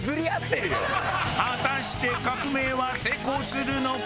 果たして革命は成功するのか？